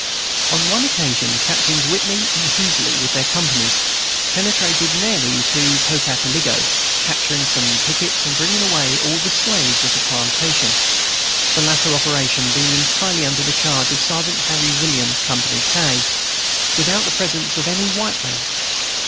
On one occasion Captains Whitney and Heasley, with their companies, penetrated nearly to Pocataligo, capturing some pickets and bringing away all the slaves of a plantation, the latter operation being entirely under the charge of Sergeant Harry Williams (Co. K), without the presence of any white man.